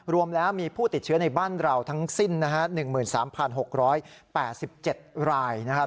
รวมแล้วมีผู้ติดเชื้อในบ้านเราทั้งสิ้นนะฮะ๑๓๖๘๗รายนะครับ